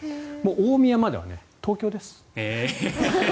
大宮まではもう東京です。